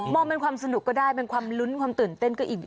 องเป็นความสนุกก็ได้เป็นความลุ้นความตื่นเต้นก็อีก